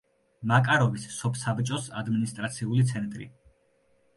მაკაროვის სოფსაბჭოს ადმინისტრაციული ცენტრი.